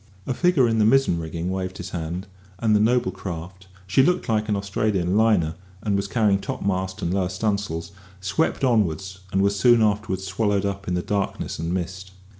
A figure in the mizzen rigging waved his hand, and the noble craft (she looked like an Australian liner, and was carrying topmast and lower stunsails) swept onward, and was soon afterwards swallowed up in the darkness and mist.